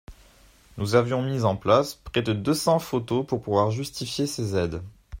Nous avions mis en place près de deux cents photos pour pouvoir justifier ces aides.